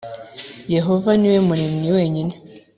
Yehova ni we Muremyi wenyine